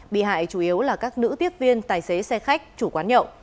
bị hại chủ yếu là các nữ tiếp viên tài xế xe khách chủ quán nhậu